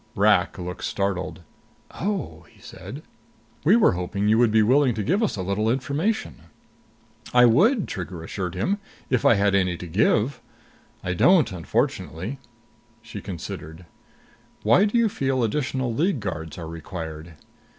Rak looked startled. "Oh!" he said. "We were hoping you would be willing to give us a little information." "I would," Trigger assured him, "if I had any to give. I don't, unfortunately." She considered. "Why do you feel additional League guards are required?"